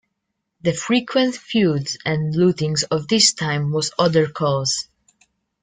The frequent feuds and lootings of this time was other cause.